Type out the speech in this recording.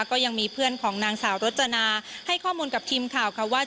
ก็ยังมีเพื่อนของนางสาวรจนาให้ข้อมูลกับทีมข่าวค่ะว่า